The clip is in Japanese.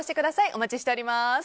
お待ちしております。